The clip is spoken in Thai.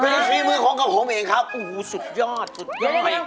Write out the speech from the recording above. เป็นธิมือของกับผมอีกครับสุดยอดสุดย้อย